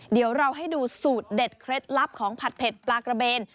เดี๋ยวเราให้ดูสูตรเด็ดเคล็ดลับของผัดเผ็ดปลากระเบน